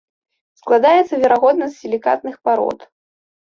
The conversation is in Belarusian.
Складаецца верагодна з сілікатных парод.